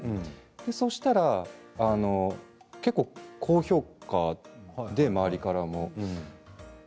そうしたら結構高評価で周りからも。